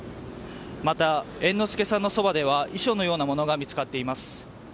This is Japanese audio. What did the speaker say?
また猿之助さんのそばでは遺書のようなものが見つかっています。